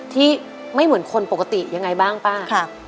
ที่ไม่เหมือนคนปกติยังไงบ้างป้า